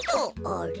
あれ？